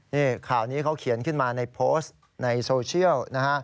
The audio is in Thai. นี่ข่าวนี้เขาเขียนขึ้นมาในโพสต์ในโซเชียลนะฮะ